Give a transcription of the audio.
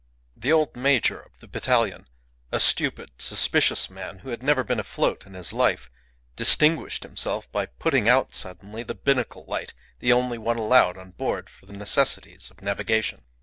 The old major of the battalion, a stupid, suspicious man, who had never been afloat in his life, distinguished himself by putting out suddenly the binnacle light, the only one allowed on board for the necessities of navigation.